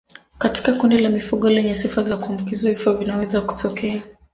Katika kundi la mifugo lenye sifa za kuambukizwa vifo vinaweza kutokea